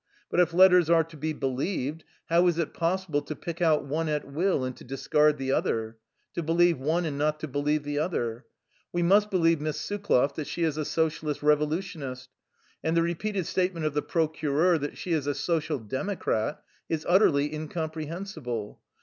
But if letters are to be believed, how is it possible to pick out one at will and to discard the other? to believe one and not to be lieve the other? We must believe Miss Sukloff that she is a Socialist Revolutionist, and the re peated statement of the procureur that she is a Social Democrat is utterly incomprehensible.